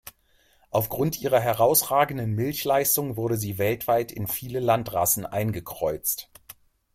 Aufgrund ihrer herausragenden Milchleistung wurde sie weltweit in viele Landrassen eingekreuzt.